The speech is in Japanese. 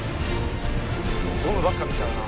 ゴムばっか見ちゃうな。